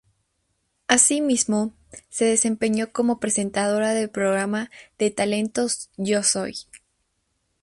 Asimismo, se desempeñó como presentadora del programa de talentos "Yo soy".